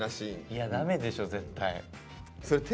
いやダメでしょ絶対。